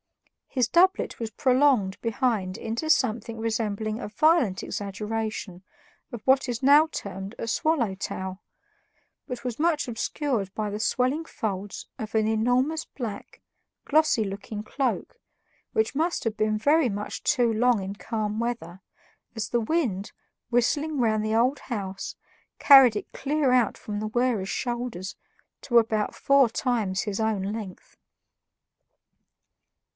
His doublet was prolonged behind into something resembling a violent exaggeration of what is now termed a "swallowtail," but was much obscured by the swelling folds of an enormous black, glossy looking cloak, which must have been very much too long in calm weather, as the wind, whistling round the old house, carried it clear out from the wearer's shoulders to about four times his own length.